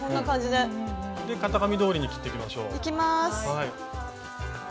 で型紙どおりに切ってきましょう。いきます。